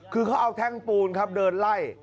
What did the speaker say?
คือเขาเอาแท่งปูนครับเดินไล่